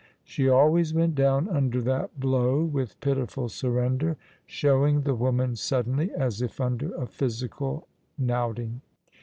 She always went down under that blow with pitiful surrender, showing the woman suddenly, as if under a physical knouting.